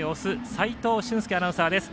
齋藤舜介アナウンサーです。